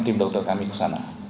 tim dokter kami ke sana